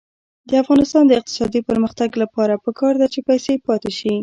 د افغانستان د اقتصادي پرمختګ لپاره پکار ده چې پیسې پاتې شي.